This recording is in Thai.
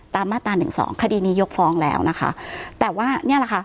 มาตราหนึ่งสองคดีนี้ยกฟ้องแล้วนะคะแต่ว่าเนี่ยแหละค่ะ